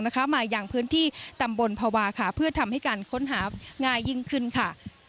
กันนะค่ะเพื่อทำให้การค้นหาง่ายยิ่งขึ้นค่ะ